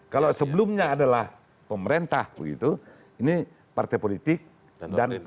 kalau sebelumnya adalah pemerintah begitu ini partai politik dan itu